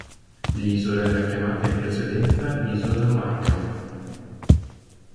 L'isola era chiamata in precedenza Isola Markham.